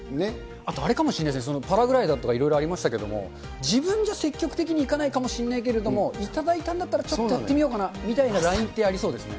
あとあれかもしれないですね、パラグライダーとかいろいろありましたけれども、自分じゃ積極的に行かないかもしれないけれども、頂いたんだったら、ちょっとやってみようかなみたいなラインってありそうですね。